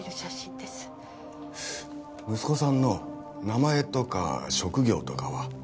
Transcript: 息子さんの名前とか職業とかは？